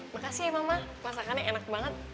makasih ya mama masakannya enak banget